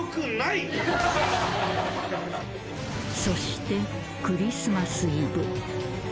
［そしてクリスマスイブ］